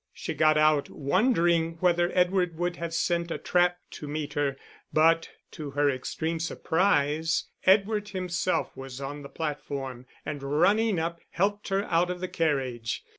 She got out, wondering whether Edward would have sent a trap to meet her but to her extreme surprise Edward himself was on the platform, and running up, helped her out of the carriage.